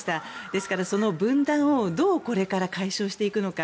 ですから、その分断をどうこれから解消していくのか。